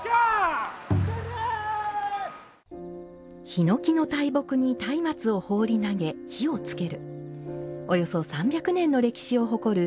ヒノキの大木に松明を放り投げ、火をつける。